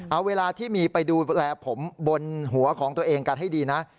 เอาเวลาที่มีไปดูแลผมบนหัวของตัวเองกันให้ดีนะ